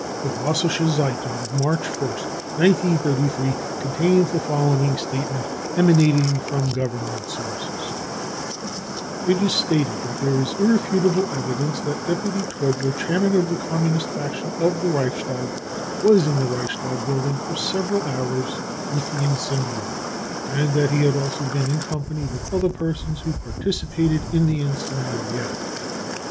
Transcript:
The Vossische Zeitung of March ist, 1933, contains the following statement, emanating from Government sources :" It is stated that there is irrefutable evidence that deputy Torgler, chairman of the Communist fraction in the Reichstag, was in the Reichstag building for several hours with the incendiary, and that he had also been in company with other persons who participated in the incendiary act.